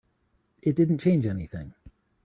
It didn't change anything.